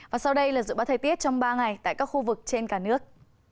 và sau đây là dự báo thời tiết trong ba ngày tại các khu vực trên cả nước